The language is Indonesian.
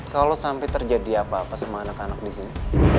kalo sampe terjadi apa apa sama anak anak disini